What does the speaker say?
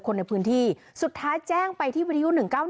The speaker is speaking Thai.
กับคนในพื้นที่สุดท้ายแจ้งไปที่วีดีโอ๑๙๑